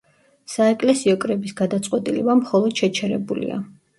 საეკლესიო კრების გადაწყვეტილება მხოლოდ შეჩერებულია.